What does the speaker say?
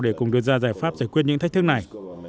để cùng đưa ra giải pháp giải quyết những thách thức này